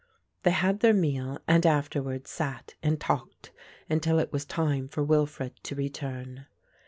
They had their meal and afterwards sat and talked until it was time for Wilfred to return.